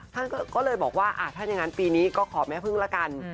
ท่านก็เลยบอกว่าถ้าอย่างนั้นปีนี้ก็ขอแม่พึ่งละกัน